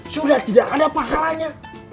sudah tidak ada pahalanya